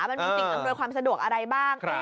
มันมีสิ่งอำนวยความสะดวกอะไรบ้าง